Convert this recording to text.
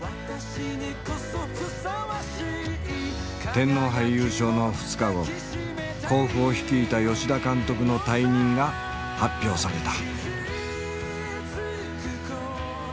天皇杯優勝の２日後甲府を率いた吉田監督の退任が発表された。